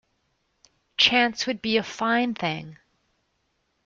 Chance would be a fine thing!